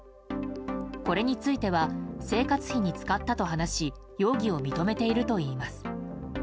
これについては生活費に使ったと話し容疑を認めているといいます。